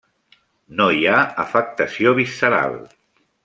No hi ha afectació visceral.